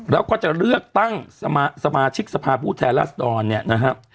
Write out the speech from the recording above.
แล้วก็จะเลือกตั้งสมาชิกสภาพผู้แทนรัศดรเนี่ยนะครับ